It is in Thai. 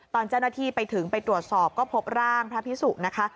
ตอนเจ้าหน้าที่ไปถึงไปตรวจสอบก็พบร่างพระพิสุนะคะ